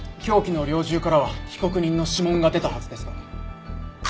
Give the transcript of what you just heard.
凶器の猟銃からは被告人の指紋が出たはずですが。